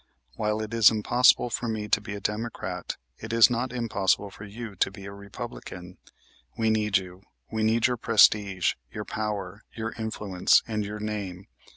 While it is impossible for me to be a Democrat it is not impossible for you to be a Republican. We need you. We need your prestige, your power, your influence, and your name.